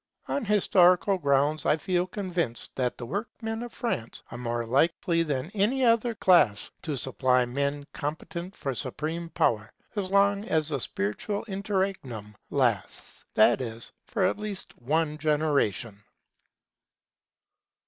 On historical grounds I feel convinced that the workmen of France are more likely than any other class to supply men competent for supreme power, as long as the spiritual interregnum lasts; that is, for at least one generation.